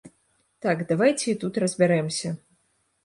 Так, давайце і тут разбярэмся.